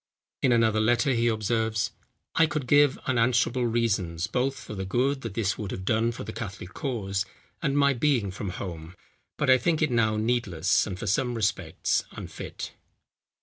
In another letter he observes: "I could give unanswerable reasons, both for the good that this would have done for the Catholic cause, and my being from home, but I think it now needless, and for some respects unfit."